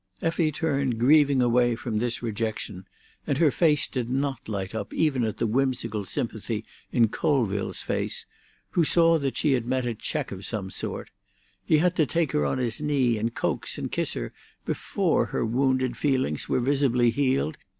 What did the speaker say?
Effie turned grieving away from this rejection, and her face did not light up even at the whimsical sympathy in Colville's face, who saw that she had met a check of some sort; he had to take her on his knee and coax and kiss her before her wounded feelings were visibly healed.